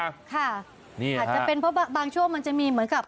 อาจจะเป็นเพราะบางช่วงมันจะมีเหมือนกับ